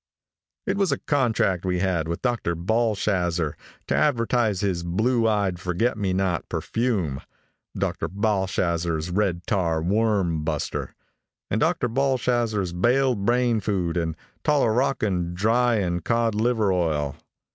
"It was a contract we had with Dr. Balshazzer to advertise his Blue Eyed Forget me Not Perfume, Dr. Balshazzer's Red Tar Worm Buster, and Dr. Balshazzer's Baled Brain Food and Tolurockandryeandcodliveroil.